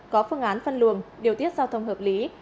có phương án phân luồng điều tiết giao thông hợp lý